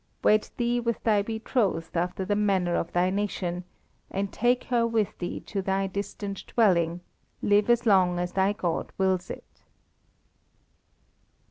Wed thee with thy betrothed after the manner of thy nation, and take her with thee to thy distant dwelling; live as long as thy God wills it."